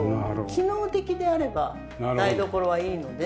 機能的であれば台所はいいので。